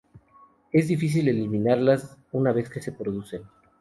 Es difícil eliminarlas una vez que se producen.